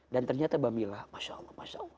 dan ternyata bami allah masya allah masya allah